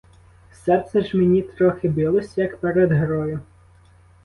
Серце ж мені трохи билось, як перед грою.